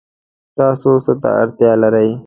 تاسو څه اړتیا لرئ؟